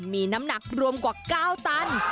มีน้ำหนักรวมกว่า๙ตัน